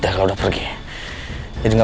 aku mau sakit sekarang ya